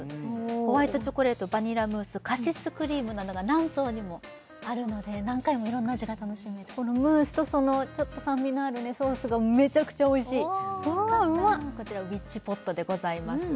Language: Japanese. ホワイトチョコレートバニラムースカシスクリームなどが何層にもあるので何回もいろんな味が楽しめるこのムースと酸味のあるソースがめちゃくちゃおいしいおおよかったこちらウィッチポットでございます